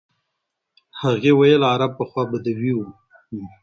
هغې ویل عرب پخوا بدوي وو.